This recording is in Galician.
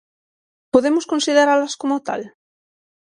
Podemos consideralas como tal?